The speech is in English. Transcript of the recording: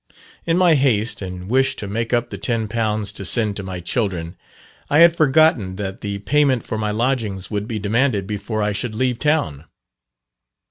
In my haste and wish to make up the ten pounds to send to my children, I had forgotten that the payment for my lodgings would be demanded before I should leave town.